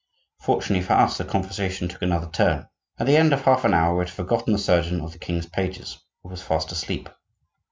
Fortunately for us the conversation took another turn. At the end of half an hour we had forgotten the surgeon of the king's pages, who was fast asleep.